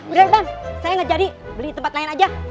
udah bang saya gak jadi beli tempat lain aja